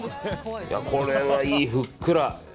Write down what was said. これはいい、ふっくら。